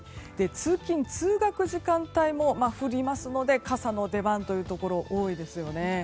通勤・通学時間帯も降りますので傘の出番というところ多いですよね